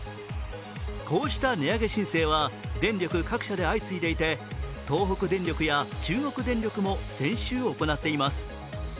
こうした値上げ申請は電力各社で相次いでいて東北電力や中国電力も先週行っています。